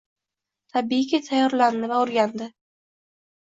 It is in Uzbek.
Tabiiyki tayyorlandi va o’rgandi.